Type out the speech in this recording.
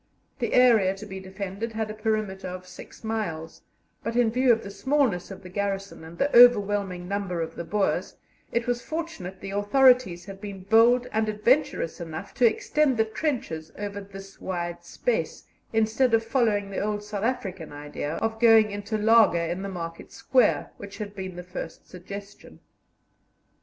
The area to be defended had a perimeter of six miles; but, in view of the smallness of the garrison and the overwhelming number of the Boers, it was fortunate the authorities had been bold and adventurous enough to extend the trenches over this wide space, instead of following the old South African idea of going into laager in the market square, which had been the first suggestion.